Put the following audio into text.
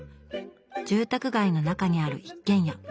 住宅街の中にある一軒家。